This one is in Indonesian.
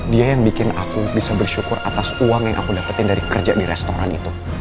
dia yang bikin aku bisa bersyukur atas uang yang aku dapetin dari kerja di restoran itu